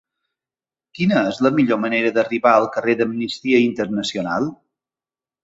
Quina és la millor manera d'arribar al carrer d'Amnistia Internacional?